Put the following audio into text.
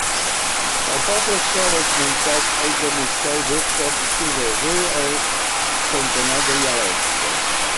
El poble es troba esmentat al "Domesday Book" com "Chileburne" al centenar de Yalestre.